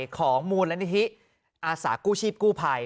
ของมูลนิธิอาสากู้ชีพกู้ภัย